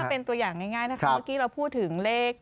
เป็นตัวอย่างง่ายนะคะเมื่อกี้เราพูดถึงเลข